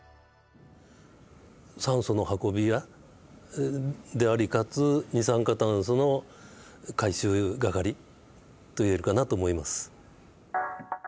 酸素の運び屋でありかつ二酸化炭素の回収係といえるかなと思います。